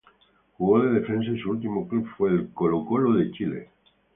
Jugó de defensa y su último club fue el Colo-Colo de Chile.